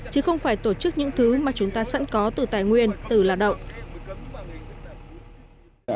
chứ không phải tổ chức những thứ mà chúng ta sẵn có từ tài nguyên từ lao động